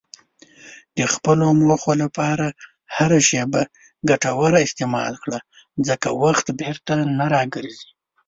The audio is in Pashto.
د خپلو موخو لپاره هره شېبه ګټوره استعمال کړه، ځکه وخت بیرته نه راګرځي.